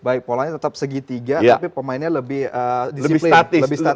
baik polanya tetap segitiga tapi pemainnya lebih disiplin